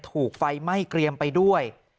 ถูกไฟไหม้เกรียมไปด้วย